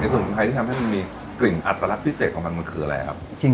ใครที่ทำให้มันมีกลิ่นอัตรรัสพิเศษของมันมันคืออะไรครับ